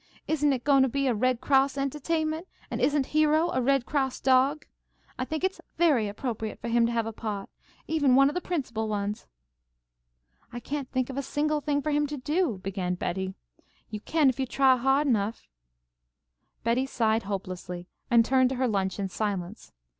"Isn't it going to be a Red Cross entahtainment, and isn't Hero a Red Cross dog? I think it's very appropriate for him to have a part, even one of the principal ones." "I can't think of a single thing for him to do " began Betty. "You can if you try hard enough," insisted Lloyd. Betty sighed hopelessly, and turned to her lunch in silence.